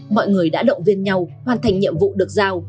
mọi người đã động viên nhau hoàn thành nhiệm vụ được giao